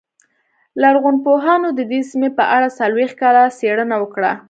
لرغونپوهانو د دې سیمې په اړه څلوېښت کاله څېړنه وکړه